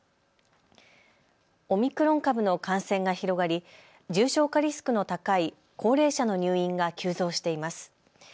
オミクロン株の感染が広がり重症化リスクの高い高齢者の入院が急増しています。